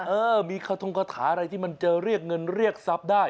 เออมีกระทงคาถาอะไรที่มันจะเรียกเงินเรียกทรัพย์ได้